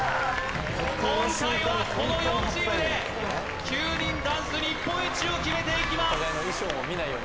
今回はこの４チームで９人ダンス日本一を決めていきます